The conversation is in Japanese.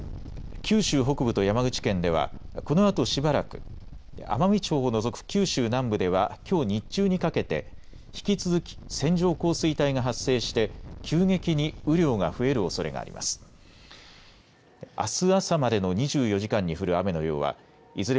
九州北部と山口県ではこのあとしばらく奄美地方を除く九州南部ではきょう日中にかけて引き続き線状降水帯が発生して急激に雨量が増えるおそれがあります。